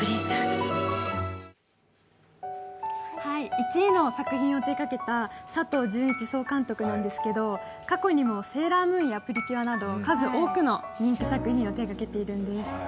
１位の作品を手がけた佐藤順一総監督なんですけど、過去にも「セーラームーン」や「プリキュア」など数多くの人気作品を手がけているんです。